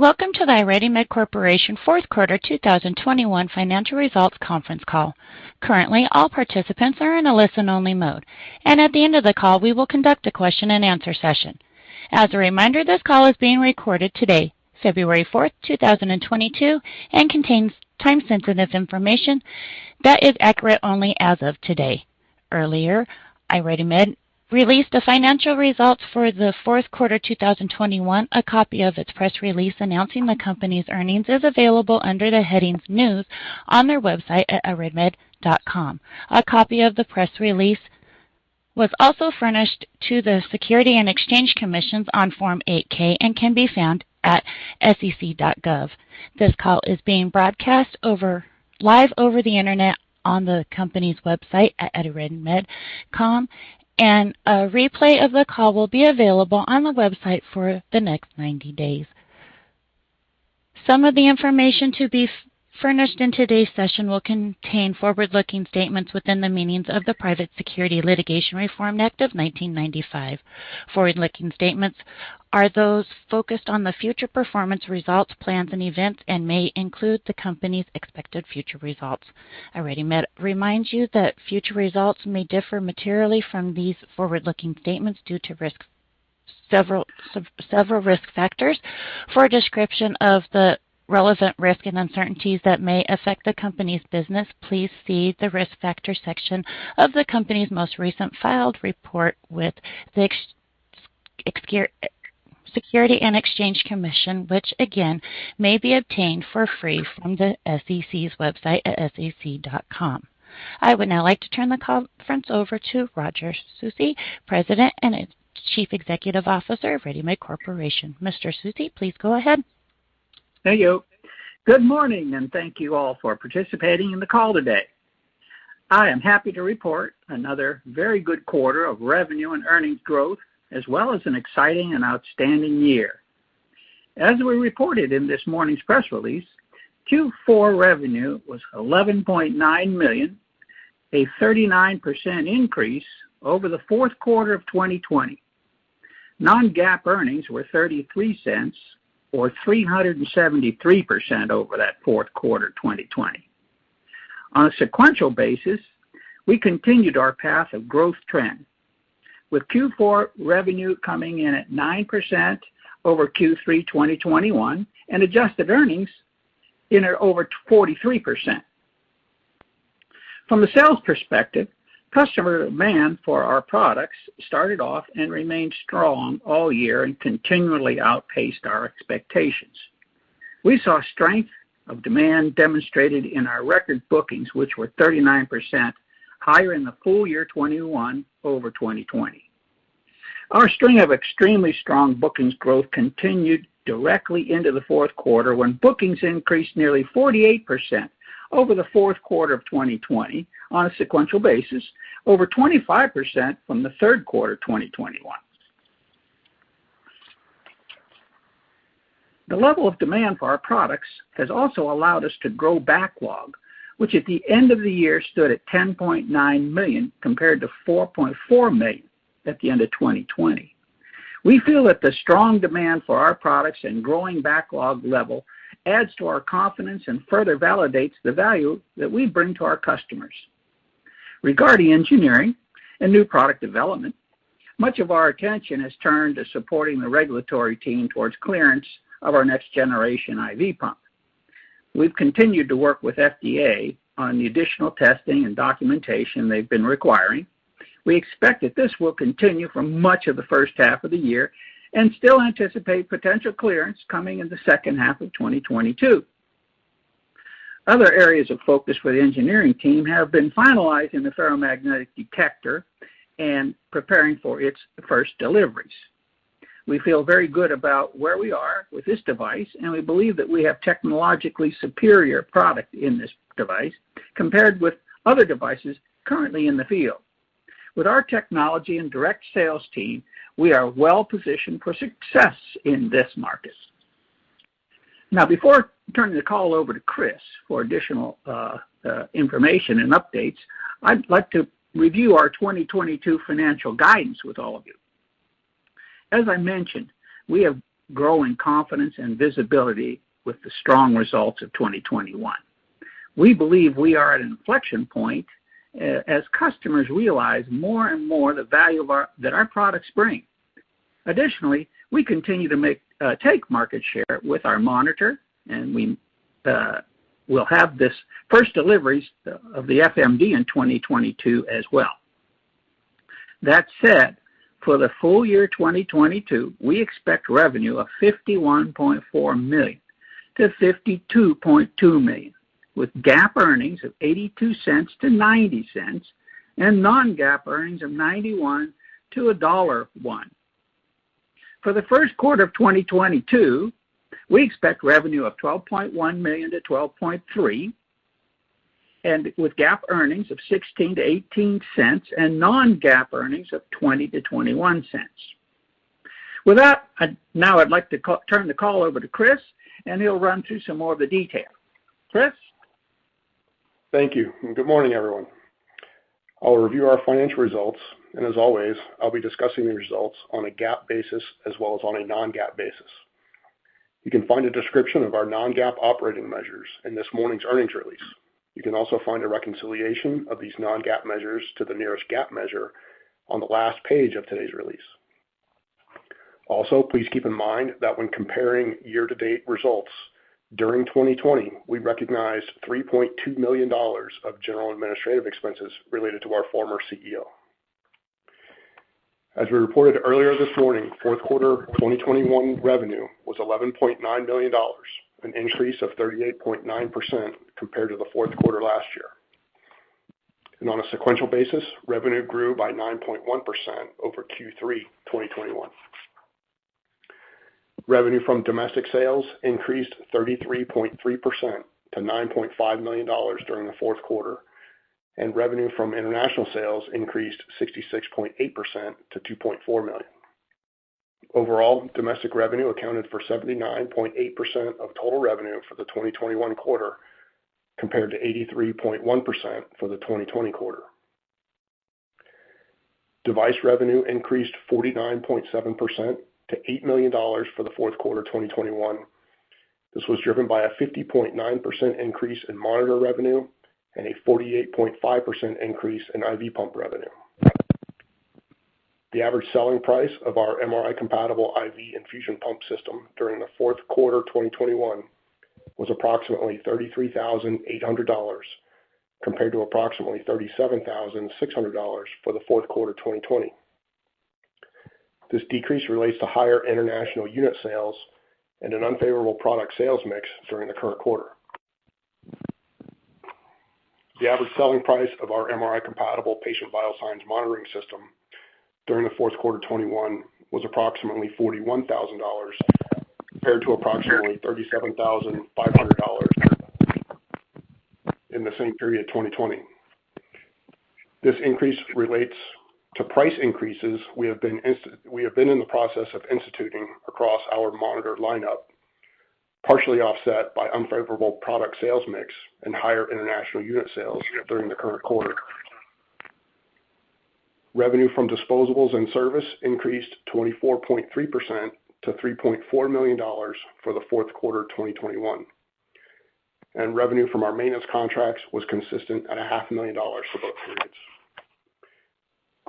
Welcome to the IRadimed Corporation fourth quarter 2021 financial results conference call. Currently, all participants are in a listen-only mode, and at the end of the call, we will conduct a question-and-answer session. As a reminder, this call is being recorded today, February 4th, 2022, and contains time-sensitive information that is accurate only as of today. Earlier, IRadimed released the financial results for the fourth quarter 2021. A copy of its press release announcing the company's earnings is available under the headings News on their website at iradimed.com. A copy of the press release was also furnished to the Securities and Exchange Commission on Form 8-K and can be found at sec.gov. This call is being broadcast live over the Internet on the company's website at iradimed.com, and a replay of the call will be available on the website for the next 90 days. Some of the information to be furnished in today's session will contain forward-looking statements within the meanings of the Private Securities Litigation Reform Act of 1995. Forward-looking statements are those focused on the future performance, results, plans, and events and may include the company's expected future results. IRadimed reminds you that future results may differ materially from these forward-looking statements due to several risk factors. For a description of the relevant risks and uncertainties that may affect the company's business, please see the Risk Factors section of the company's most recent filed report with the SEC, Securities and Exchange Commission, which again may be obtained for free from the SEC's website at sec.gov. I would now like to turn the conference over to Roger Susi, President and Chief Executive Officer of IRadimed Corporation. Mr. Susi, please go ahead. Thank you. Good morning, and thank you all for participating in the call today. I am happy to report another very good quarter of revenue and earnings growth, as well as an exciting and outstanding year. As we reported in this morning's press release, Q4 revenue was $11.9 million, a 39% increase over the fourth quarter of 2020. Non-GAAP earnings were $0.33 or 373% over that fourth quarter of 2020. On a sequential basis, we continued our path of growth trend, with Q4 revenue coming in at 9% over Q3 2021 and adjusted earnings in at over 43%. From the sales perspective, customer demand for our products started off and remained strong all year and continually outpaced our expectations. We saw strength of demand demonstrated in our record bookings which were 39% higher in the full year 2021 over 2020. Our string of extremely strong bookings growth continued directly into the fourth quarter when bookings increased nearly 48% over the fourth quarter of 2020 on a sequential basis, over 25% from the third quarter of 2021. The level of demand for our products has also allowed us to grow backlog which at the end of the year stood at $10.9 million compared to $4.4 million at the end of 2020. We feel that the strong demand for our products and growing backlog level adds to our confidence and further validates the value that we bring to our customers. Regarding engineering and new product development, much of our attention has turned to supporting the regulatory team towards clearance of our next-generation IV pump. We've continued to work with FDA on the additional testing and documentation they've been requiring. We expect that this will continue for much of the first half of the year and still anticipate potential clearance coming in the second half of 2022. Other areas of focus for the engineering team have been finalizing the Ferromagnetic Detector and preparing for its first deliveries. We feel very good about where we are with this device, and we believe that we have technologically superior product in this device compared with other devices currently in the field. With our technology and direct sales team, we are well positioned for success in this market. Now before turning the call over to Chris for additional information and updates, I'd like to review our 2022 financial guidance with all of you. As I mentioned, we have growing confidence and visibility with the strong results of 2021. We believe we are at an inflection point, as customers realize more and more the value that our products bring. Additionally, we continue to take market share with our monitor, and we will have these first deliveries of the FMD in 2022 as well. That said, for the full year 2022, we expect revenue of $51.4 million-$52.2 million, with GAAP earnings of $0.82-$0.90 and non-GAAP earnings of $0.91-$1.01. For the first quarter of 2022, we expect revenue of $12.1 million-$12.3 million with GAAP earnings of $0.16-$0.18 and non-GAAP earnings of $0.20-$0.21. With that, now I'd like to turn the call over to Chris, and he'll run through some more of the detail. Chris? Thank you, and good morning, everyone. I'll review our financial results, and as always, I'll be discussing the results on a GAAP basis as well as on a non-GAAP basis. You can find a description of our non-GAAP operating measures in this morning's earnings release. You can also find a reconciliation of these non-GAAP measures to the nearest GAAP measure on the last page of today's release. Also, please keep in mind that when comparing year-to-date results, during 2020, we recognized $3.2 million of general administrative expenses related to our former CEO. As we reported earlier this morning, fourth quarter 2021 revenue was $11.9 million, an increase of 38.9% compared to the fourth quarter last year. On a sequential basis, revenue grew by 9.1% over Q3 2021. Revenue from domestic sales increased 33.3% to $9.5 million during the fourth quarter, and revenue from international sales increased 66.8% to $2.4 million. Overall, domestic revenue accounted for 79.8% of total revenue for the 2021 quarter, compared to 83.1% for the 2020 quarter. Device revenue increased 49.7% to $8 million for the fourth quarter 2021. This was driven by a 50.9% increase in monitor revenue and a 48.5% increase in IV pump revenue. The average selling price of our MRI Compatible IV Infusion Pump System during the fourth quarter 2021 was approximately $33,800 compared to approximately $37,600 for the fourth quarter 2020. This decrease relates to higher international unit sales and an unfavorable product sales mix during the current quarter. The average selling price of our MRI Compatible Patient Vital Signs Monitoring System during the fourth quarter 2021 was approximately $41,000 compared to approximately $37,500 in the same period 2020. This increase relates to price increases we have been in the process of instituting across our monitor lineup, partially offset by unfavorable product sales mix and higher international unit sales during the current quarter. Revenue from disposables and service increased 24.3% to $3.4 million for the fourth quarter 2021, and revenue from our maintenance contracts was consistent at a half million dollars for both periods.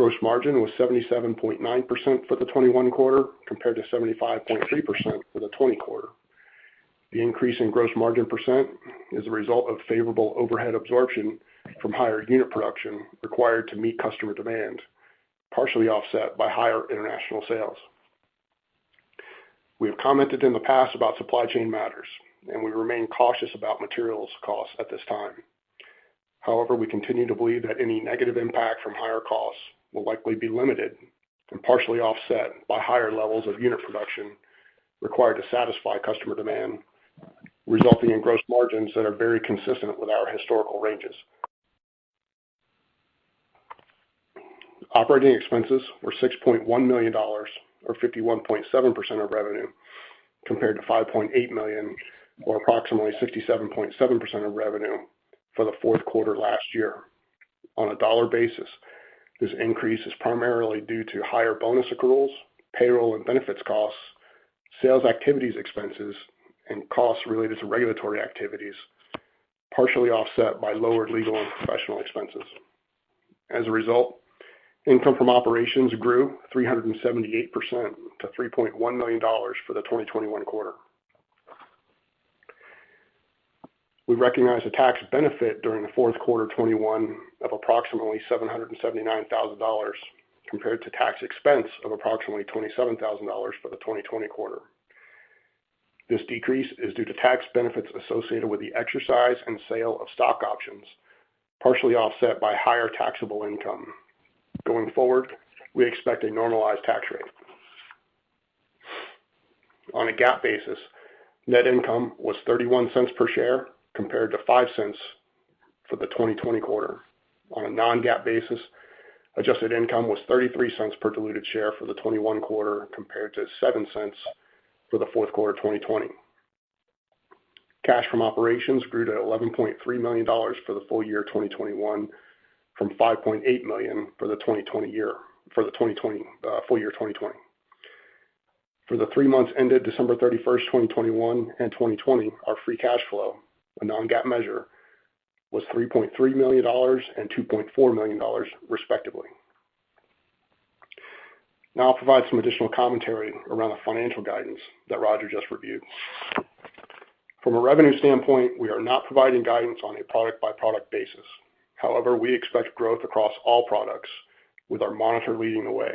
Gross margin was 77.9% for the 2021 quarter compared to 75.3% for the 2020 quarter. The increase in gross margin percent is a result of favorable overhead absorption from higher unit production required to meet customer demand, partially offset by higher international sales. We have commented in the past about supply chain matters, and we remain cautious about materials costs at this time. However, we continue to believe that any negative impact from higher costs will likely be limited and partially offset by higher levels of unit production required to satisfy customer demand, resulting in gross margins that are very consistent with our historical ranges. Operating expenses were $6.1 million or 51.7% of revenue, compared to $5.8 million or approximately 67.7% of revenue for the fourth quarter last year. On a dollar basis, this increase is primarily due to higher bonus accruals, payroll and benefits costs, sales activities expenses, and costs related to regulatory activities, partially offset by lower legal and professional expenses. As a result, income from operations grew 378% to $3.1 million for the 2021 quarter. We recognized a tax benefit during the fourth quarter 2021 of approximately $779,000 compared to tax expense of approximately $27,000 for the 2020 quarter. This decrease is due to tax benefits associated with the exercise and sale of stock options, partially offset by higher taxable income. Going forward, we expect a normalized tax rate. On a GAAP basis, net income was $0.31 per share, compared to $0.05 for the 2020 quarter. On a non-GAAP basis, adjusted income was $0.33 per diluted share for the fourth quarter 2021, compared to $0.07 for the fourth quarter 2020. Cash from operations grew to $11.3 million for the full year 2021 from $5.8 million for the full year 2020. For the three months ended December 31st, 2021 and 2020, our free cash flow, a non-GAAP measure, was $3.3 million and $2.4 million, respectively. Now I'll provide some additional commentary around the financial guidance that Roger just reviewed. From a revenue standpoint, we are not providing guidance on a product-by-product basis. However, we expect growth across all products, with our monitor leading the way.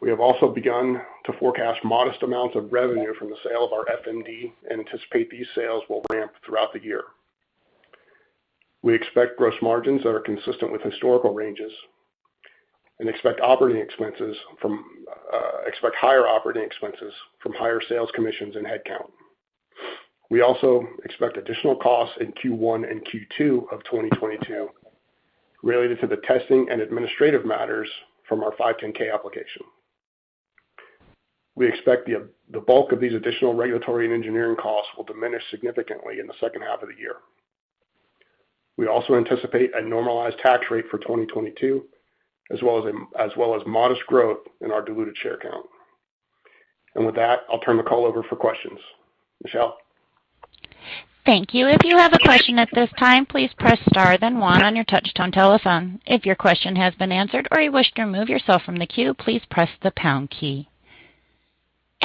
We have also begun to forecast modest amounts of revenue from the sale of our FMD and anticipate these sales will ramp throughout the year. We expect gross margins that are consistent with historical ranges and expect higher operating expenses from higher sales commissions and headcount. We also expect additional costs in Q1 and Q2 of 2022 related to the testing and administrative matters from our 510(k) application. We expect the bulk of these additional regulatory and engineering costs will diminish significantly in the second half of the year. We also anticipate a normalized tax rate for 2022, as well as modest growth in our diluted share count. With that, I'll turn the call over for questions. Michelle. Thank you. If you have a question at this time, please press star and then one on your touch-tone telephone. If your question has been answered or you wish to remove yourself from the queue please press the pound key.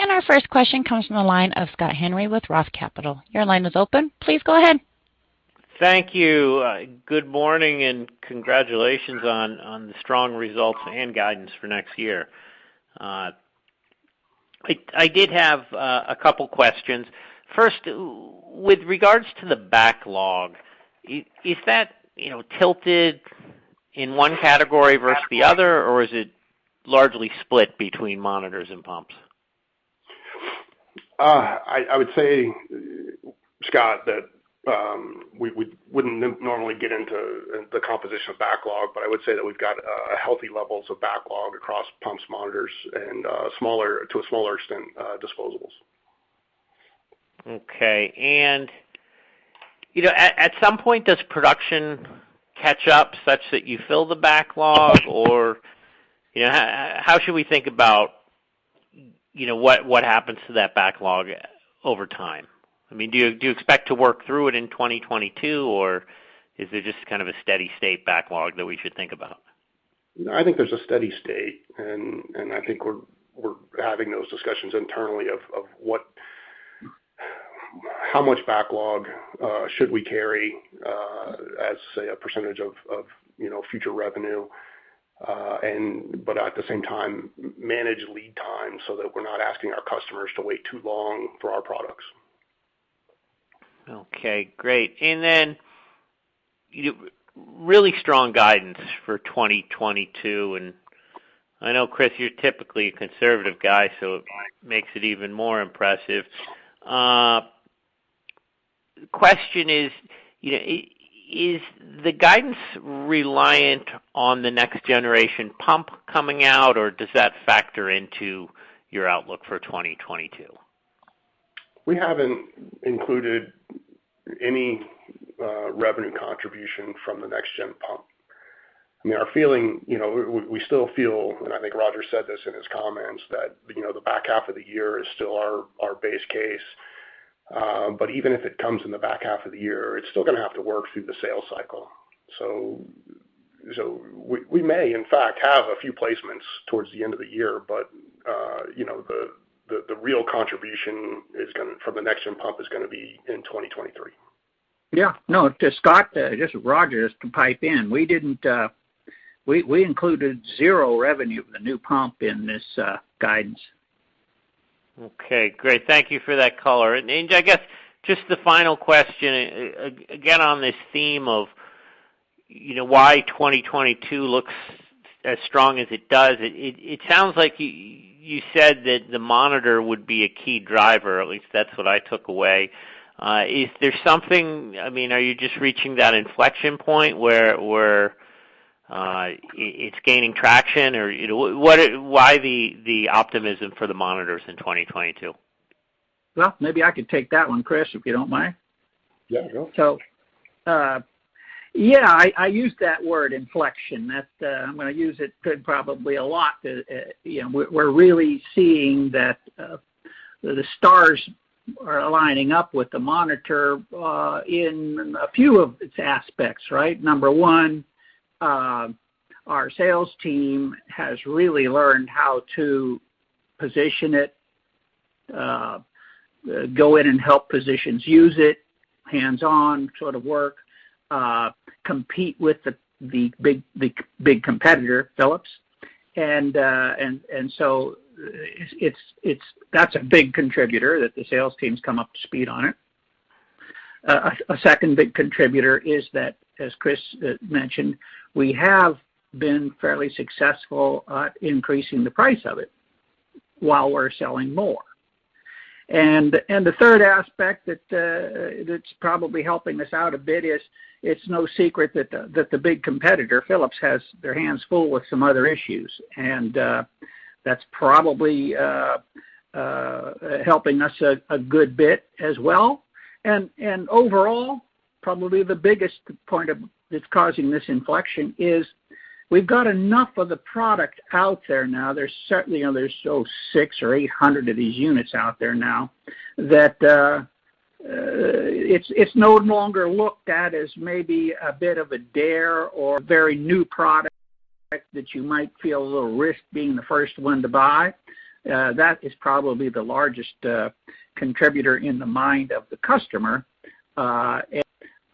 Our first question comes from the line of Scott Henry with Roth Capital. Your line is open. Please go ahead. Thank you. Good morning, and congratulations on the strong results and guidance for next year. I did have a couple questions. First, with regards to the backlog, is that, you know, tilted in one category versus the other, or is it largely split between monitors and pumps? I would say, Scott, that we wouldn't normally get into the composition of backlog, but I would say that we've got a healthy levels of backlog across pumps, monitors, and to a smaller extent, disposables. Okay. You know, at some point, does production catch up such that you fill the backlog or, you know, how should we think about, you know, what happens to that backlog over time? I mean, do you expect to work through it in 2022 or is it just kind of a steady state backlog that we should think about? I think there's a steady state, and I think we're having those discussions internally of how much backlog should we carry, as say a percentage of you know future revenue, but at the same time manage lead time so that we're not asking our customers to wait too long for our products. Okay, great. Really strong guidance for 2022. I know, Chris, you're typically a conservative guy, so it makes it even more impressive. Question is, you know, is the guidance reliant on the next generation pump coming out, or does that factor into your outlook for 2022? We haven't included any revenue contribution from the next gen pump. I mean, our feeling, you know, we still feel, and I think Roger said this in his comments, that, you know, the back half of the year is still our base case. Even if it comes in the back half of the year, it's still gonna have to work through the sales cycle. We may in fact have a few placements towards the end of the year, but you know, the real contribution from the next gen pump is gonna be in 2023. Yeah. No, to Scott, just Roger to pipe in. We didn't, we included zero revenue of the new pump in this guidance. Okay, great. Thank you for that color. I guess just the final question, again, on this theme of, you know, why 2022 looks as strong as it does. It sounds like you said that the monitor would be a key driver. At least that's what I took away. I mean, are you just reaching that inflection point where it's gaining traction or, you know, why the optimism for the monitors in 2022? Well, maybe I could take that one, Chris, if you don't mind. Yeah, go. I used that word inflection. I'm gonna use it a lot. You know, we're really seeing that the stars are aligning with the monitor in a few of its aspects, right? Number one, our sales team has really learned how to position it, go in and help physicians use it, hands-on sort of work, compete with the big competitor, Philips. That's a big contributor that the sales teams come up to speed on it. A second big contributor is that, as Chris mentioned, we have been fairly successful at increasing the price of it while we're selling more. The third aspect that's probably helping us out a bit is it's no secret that the big competitor, Philips, has their hands full with some other issues. That's probably helping us a good bit as well. Overall, probably the biggest point that's causing this inflection is we've got enough of the product out there now. There's certainly, you know, 600 or 800 of these units out there now that it's no longer looked at as maybe a bit of a dare or very new product that you might feel a little risk being the first one to buy. That is probably the largest contributor in the mind of the customer.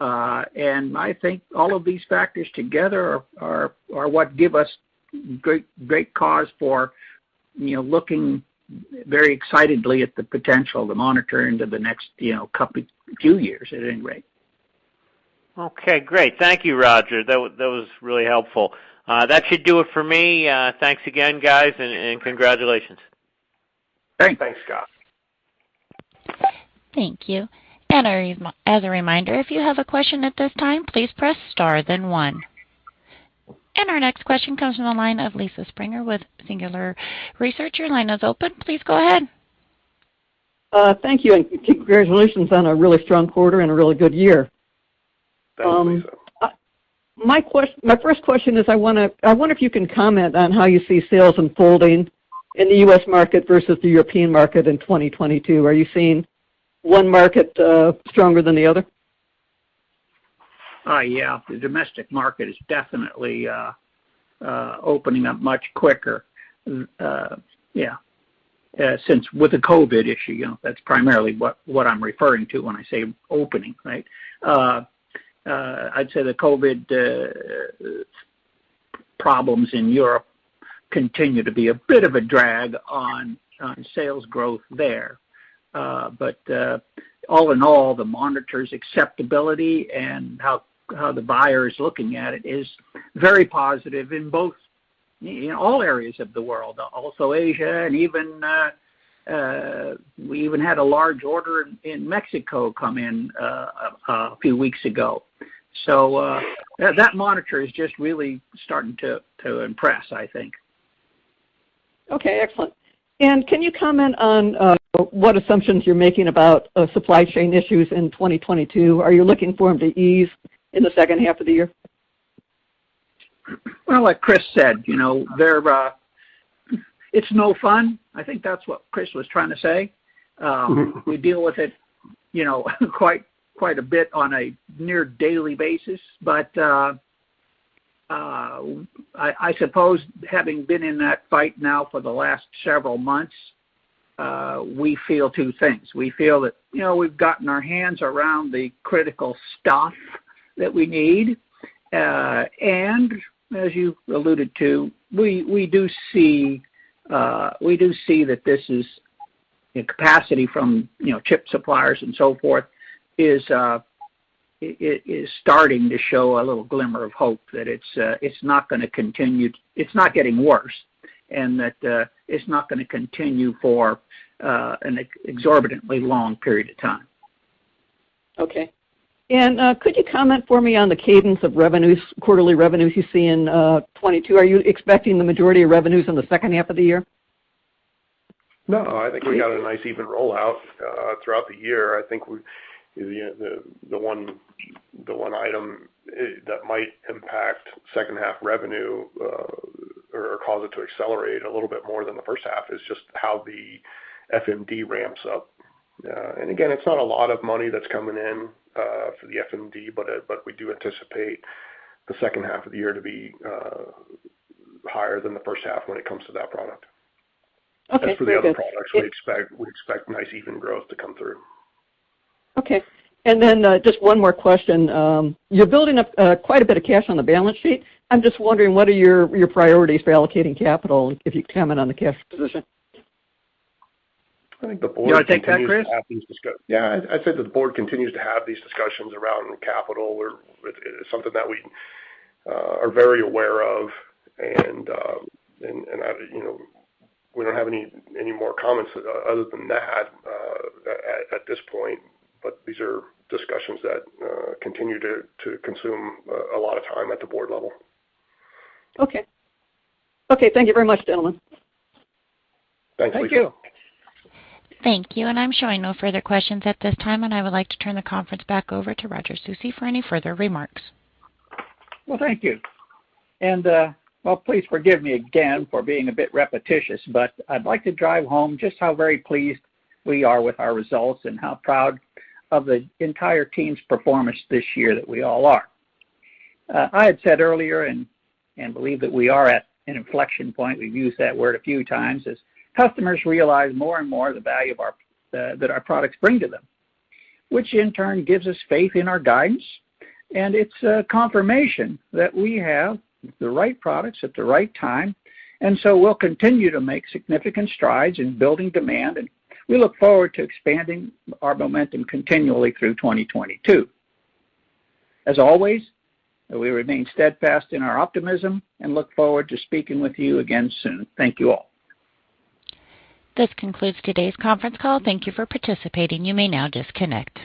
I think all of these factors together are what give us great cause for, you know, looking very excitedly at the potential of the monitor into the next, you know, few years at any rate. Okay, great. Thank you, Roger. That was really helpful. That should do it for me. Thanks again, guys, and congratulations. Thanks. Thanks, Scott. Thank you. As a reminder, if you have a question at this time, please press star then one. Our next question comes from the line of Lisa Springer with Singular Research. Your line is open. Please go ahead. Thank you, and congratulations on a really strong quarter and a really good year. Thanks. My first question is, I wonder if you can comment on how you see sales unfolding in the U.S. market versus the European market in 2022. Are you seeing one market stronger than the other? Yeah. The domestic market is definitely opening up much quicker. Yeah. Since with the COVID issue, you know, that's primarily what I'm referring to when I say opening, right? I'd say the COVID problems in Europe continue to be a bit of a drag on sales growth there. All in all, the monitor's acceptability and how the buyer is looking at it is very positive in all areas of the world, also Asia, and even we even had a large order in Mexico come in a few weeks ago. That monitor is just really starting to impress, I think. Okay, excellent. Can you comment on what assumptions you're making about supply chain issues in 2022? Are you looking for them to ease in the second half of the year? Well, like Chris said, you know, they're, it's no fun. I think that's what Chris was trying to say. Mm-hmm. We deal with it, you know, quite a bit on a near-daily basis. I suppose having been in that fight now for the last several months, we feel two things. We feel that, you know, we've gotten our hands around the critical stuff that we need. As you alluded to, we do see that this is a capacity from, you know, chip suppliers and so forth is, it is starting to show a little glimmer of hope that it's not gonna continue. It's not getting worse, and that it's not gonna continue for an exorbitantly long period of time. Okay. Could you comment for me on the cadence of revenues, quarterly revenues you see in 2022? Are you expecting the majority of revenues in the second half of the year? No, I think we got a nice even rollout throughout the year. I think the one item that might impact second half revenue or cause it to accelerate a little bit more than the first half is just how the FMD ramps up. Again, it's not a lot of money that's coming in for the FMD, but we do anticipate the second half of the year to be higher than the first half when it comes to that product. Okay. Very good. As for the other products, we expect nice even growth to come through. Okay. Just one more question. You're building up quite a bit of cash on the balance sheet. I'm just wondering, what are your priorities for allocating capital, if you can comment on the cash position? I think the board continues to have these discussions. You wanna take that, Chris? Yeah. I'd say the board continues to have these discussions around capital allocation. It's something that we are very aware of. You know, we don't have any more comments other than that at this point. These are discussions that continue to consume a lot of time at the board level. Okay. Thank you very much, gentlemen. Thanks, Lisa. Thank you. Thank you. I'm showing no further questions at this time, and I would like to turn the conference back over to Roger Susi for any further remarks. Well, thank you. Well, please forgive me again for being a bit repetitious, but I'd like to drive home just how very pleased we are with our results and how proud of the entire team's performance this year that we all are. I had said earlier and believe that we are at an inflection point. We've used that word a few times as customers realize more and more the value that our products bring to them, which in turn gives us faith in our guidance. It's a confirmation that we have the right products at the right time. We'll continue to make significant strides in building demand, and we look forward to expanding our momentum continually through 2022. As always, we remain steadfast in our optimism and look forward to speaking with you again soon. Thank you all. This concludes today's conference call. Thank you for participating. You may now disconnect.